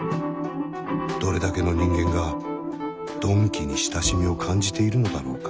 どれだけの人間が「鈍器」に親しみを感じているのだろうか。